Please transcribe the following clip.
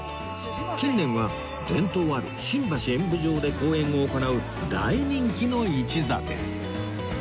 近年は伝統ある新橋演舞場で公演を行う大人気の一座です